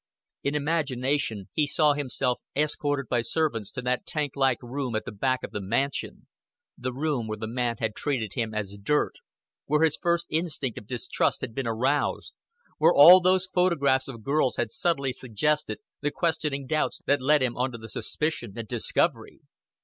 In imagination he saw himself escorted by servants to that tank like room at the back of the mansion the room where the man had treated him as dirt, where his first instinct of distrust had been aroused, where all those photographs of girls had subtly suggested the questioning doubts that led him on to suspicion and discovery.